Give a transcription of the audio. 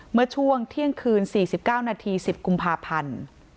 เมื่อช่วงเที่ยงคืน๔๙นาที๑๐กุมภาพันธ์